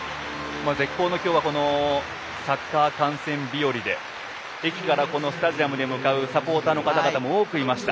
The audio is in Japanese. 絶好の、きょうはサッカー観戦日よりで駅からスタジアムに向かうサポーターの方々も多くいました。